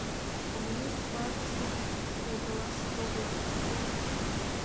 Коммунист партиетым логалаш огыл?